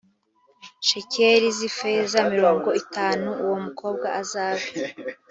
shekeli z ifeza mirongo itanu uwo mukobwa azabe